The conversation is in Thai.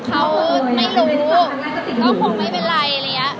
เขาไม่รู้ก็คงไม่เป็นไร